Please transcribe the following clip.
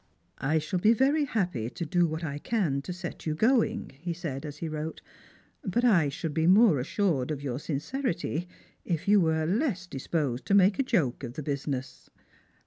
" I shall be vei y happy to do what I can to set you going," he said, as he wrote; "but I should be more assured of your sin cerity if you were less disposed to make a joke of the business."